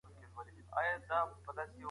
ایا نوي کروندګر ممیز پلوري؟